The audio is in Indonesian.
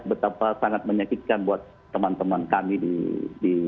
betapa sangat menyakitkan buat teman teman kami di